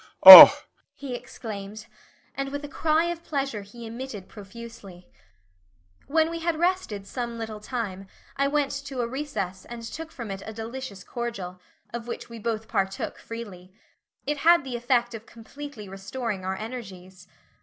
"Now I am coming! now Oh! Oh! Oh!" he exclaimed. And with a cry of pleasure he emitted profusely. When we had rested some little time, I went to a recess and took from it a delicious cordial of which we both partook freely. It had the effect of completely restoring our energies.